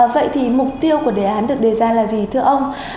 vậy thì mục tiêu của đề án được đề ra là gì thưa ông